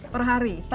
tujuh per hari